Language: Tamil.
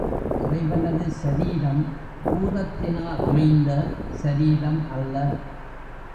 இறைவனது சரீரம் பூதத்தினால் அமைந்த சரீரம் அல்ல.